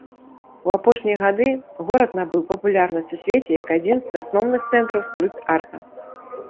У апошнія гады горад набыў папулярнасць у свеце як адзін з асноўных цэнтраў стрыт-арта.